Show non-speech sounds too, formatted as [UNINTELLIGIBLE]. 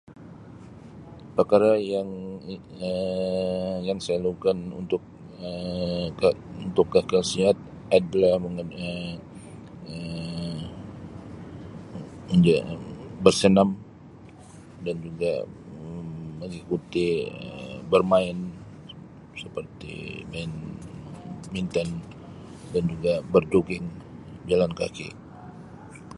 Perkara yang Um yang saya lakukan untuk Um ke-untuk kekal sihat adalah Um [UNINTELLIGIBLE] bersenam dan juga Um mengikuti Um bermain seperti main badminton, dan juga berjogging, jalan kaki.